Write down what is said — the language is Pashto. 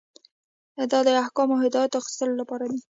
دا د احکامو او هدایت د اخیستلو لپاره دی.